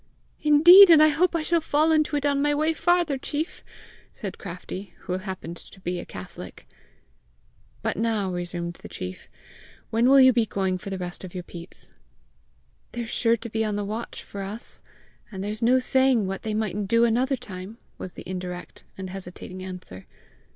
"Indeed and I hope I shall fall into it on my way farther, chief!" said Craftie, who happened to be a catholic. "But now," resumed the chief, "when will you be going for the rest of your peats?" "They're sure to be on the watch for us; and there's no saying what they mightn't do another time!" was the indirect and hesitating answer.